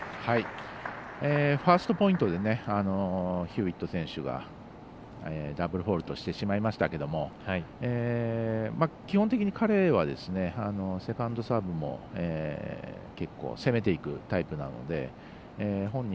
ファーストポイントでヒューウェット選手ダブルフォールトしてしまいましたが基本的に彼はセカンドサーブも結構攻めていくタイプなので本人